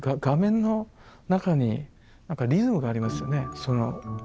画面の中に何かリズムがありますよね。